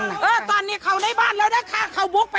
มาหลุดกลุ่มเนี่ยตำรวจออกมาจับเลย